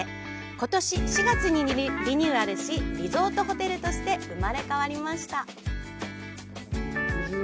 ことし４月にリニューアルしリゾートホテルとして生まれ変わりました。